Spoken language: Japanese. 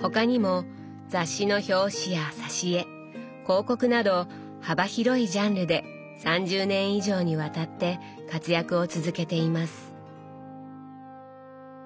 他にも雑誌の表紙や挿し絵広告など幅広いジャンルで３０年以上にわたって活躍を続けています。